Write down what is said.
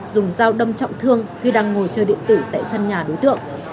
dùng dao đâm trọng thương khi đang ngồi chơi điện tử tại sân nhà đối tượng